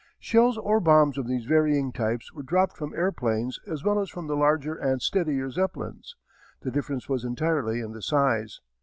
Shells or bombs of these varying types were dropped from airplanes as well as from the larger and steadier Zeppelins. The difference was entirely in the size.